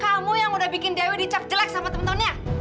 kamu yang udah bikin dewi dicap jelek sama temen temennya